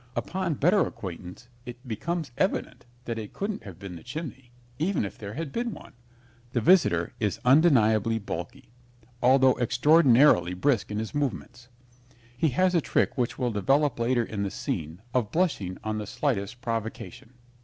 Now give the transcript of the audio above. Upon better acquaintance it becomes evident that it couldn't have been the chimney, even if there had been one. The visitor is undeniably bulky, although extraordinarily brisk in his movements. He has a trick which will develop later in the scene of blushing on the slightest provocation.